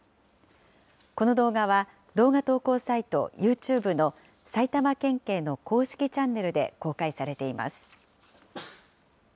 この動画は動画投稿サイトユーチューブの、埼玉県警の公式チャンネルで公開されています。